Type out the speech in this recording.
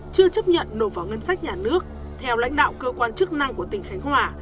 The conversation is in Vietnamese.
chưa chấp nhận nộp vào ngân sách nhà nước theo lãnh đạo cơ quan chức năng của tỉnh khánh hòa